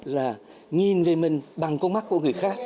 là nhìn về mình bằng con mắt của người khác